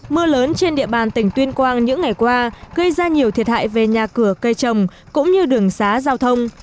mưa lớn trên địa bàn tỉnh tuyên quang những ngày qua gây ra nhiều thiệt hại về nhà cửa cây trồng cũng như đường xá giao thông